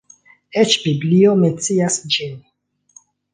Eĉ Biblio mencias ĝin.